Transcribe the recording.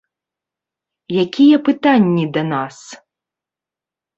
Якія пытанні да нас?